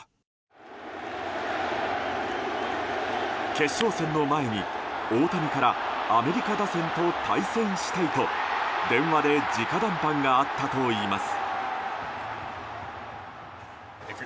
決勝戦の前に大谷からアメリカ打線と対戦したいと電話で直談判があったといいます。